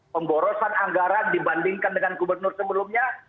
pemborosan anggaran dibandingkan dengan gubernur sebelumnya